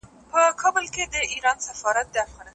بریالي خلک له مناسبو کسانو سره دوستي کوي.